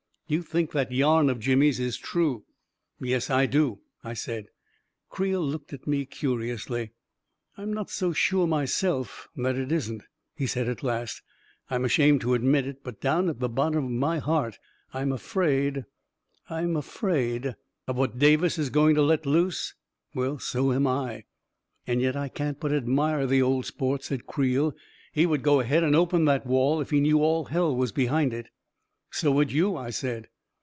You think that yarn of Jimmy's is true." A KING IN BABYLON 331 11 Yes, I do! "I said. Creel looked at me curiously. u I'm not so sure myself that it isn't !" he said, at last. " I'm ashamed to admit it — but down at the bottom of my heart, I'm afraid — I'm afraid ..."" Of what Davis is going to let loose — well, so ami!" " And yet I can't but admire the old sport," said Creel. " He would go ahead and open that wall, if he knew all hell was behind it !" 11 So would you !" I said.